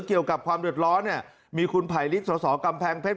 เกี่ยวกับความหยุดร้อนมีคุณผ่ายฤทธิ์สวสองกำแพงเพชร